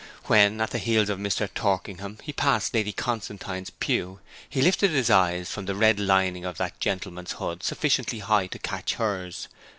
When, at the heels of Mr. Torkingham, he passed Lady Constantine's pew, he lifted his eyes from the red lining of that gentleman's hood sufficiently high to catch hers.